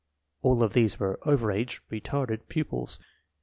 All of these were over age ("retarded") pupils.